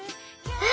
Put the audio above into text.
え？